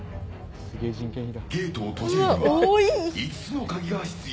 ゲートを閉じるには５つの鍵が必要。